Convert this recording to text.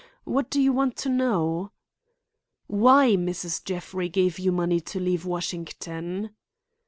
What do you want to know?" "Why Mrs. Jeffrey gave you money to leave Washington."